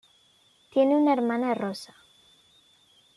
Tiene una hermana Rosa.